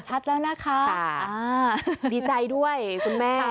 ชัดแล้วนะคะค่ะอ่าดีใจด้วยคุณแม่ค่ะ